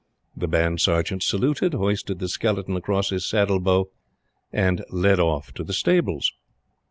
The Band Sergeant saluted, hoisted the skeleton across his saddle bow, and led off to the stables.